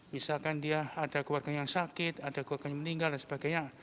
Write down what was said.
misalkan dia ada keluarganya yang sakit ada keluarganya meninggal dan sebagainya